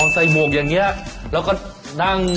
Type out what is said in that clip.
หมวกอย่างนี้แล้วก็นั่ง